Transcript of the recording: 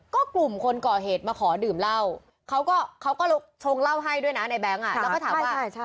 ก็กลุ่มคนก่อเหตุมาขอดื่มเหล้าเขาก็ชงเหล้าให้ด้วยนะในแบงค์แล้วก็ถามว่า